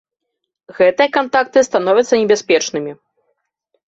Гэтыя кантакты становяцца небяспечнымі.